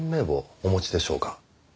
お持ちでしょうか？